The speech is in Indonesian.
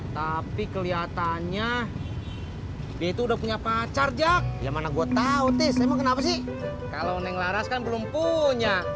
tapi kelihatannya itu udah punya pacar jako ya mana gua tahu sih kalau neng laras kan belum punya